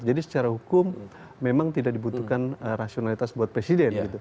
jadi secara hukum memang tidak dibutuhkan rasionalitas buat presiden gitu